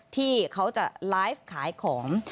ที่เขาจะไลฟ์ขายของ